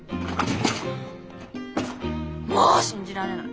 もう信じられない！